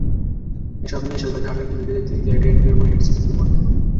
এসব নিয়েই সৈকতে হাঁটার একটি ভিডিও দেখতে দেখতে ট্রেডমিলের ওপরে হেঁটেছেন ডুমন্ট।